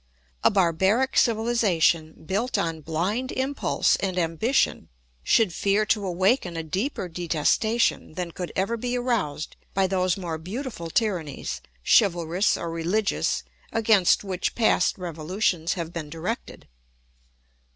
A barbaric civilisation, built on blind impulse and ambition, should fear to awaken a deeper detestation than could ever be aroused by those more beautiful tyrannies, chivalrous or religious, against which past revolutions have been directed.